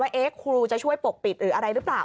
ครูจะช่วยปกปิดหรืออะไรหรือเปล่า